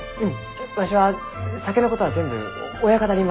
わしは酒のことは全部親方に任せますき。